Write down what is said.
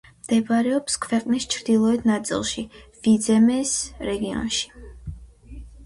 მდებარეობს ქვეყნის ჩრდილოეთ ნაწილში, ვიძემეს რეგიონში.